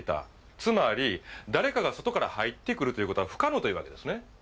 つまり誰かが外から入ってくるという事は不可能というわけですね。